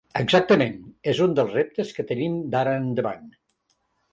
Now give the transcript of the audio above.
Exactament, és un dels reptes que tenim d’ara endavant.